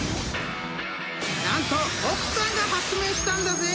［何と奥さんが発明したんだぜ］